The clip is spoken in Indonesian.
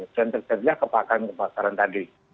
dan terjadi kepakaran kebakaran tadi